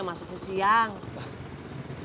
emang banyak yang lamaran ya